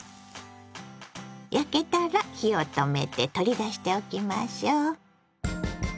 焼けたら火を止めて取り出しておきましょう。